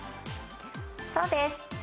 そうです。